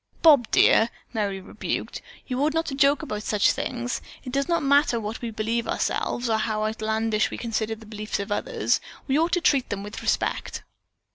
"Bob, dear," Merry rebuked, "you ought not to joke about such things. It does not matter what we believe ourselves, or how outlandish we consider the beliefs of others, we ought to treat them with respect."